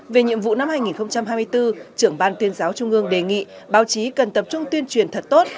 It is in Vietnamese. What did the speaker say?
về nhiệm vụ năm hai nghìn hai mươi bốn trưởng ban tuyên giáo trung ương đề nghị báo chí cần tập trung tuyên truyền thật tốt